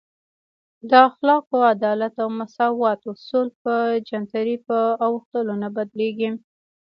د اخلاقو، عدالت او مساوات اصول په جنترۍ په اوښتلو نه بدلیږي.